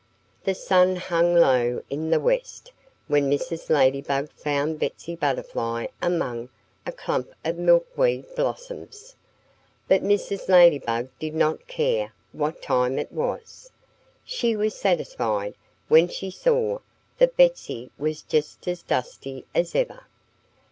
The sun hung low in the west when Mrs. Ladybug found Betsy Butterfly among a clump of milk weed blossoms. But Mrs. Ladybug did not care what time it was. She was satisfied when she saw that Betsy was just as dusty as ever.